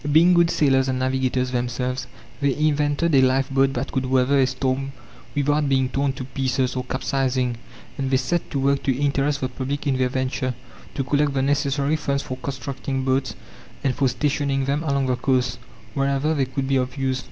Being good sailors and navigators themselves, they invented a lifeboat that could weather a storm without being torn to pieces or capsizing, and they set to work to interest the public in their venture, to collect the necessary funds for constructing boats, and for stationing them along the coasts, wherever they could be of use.